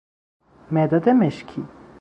مداد مشکی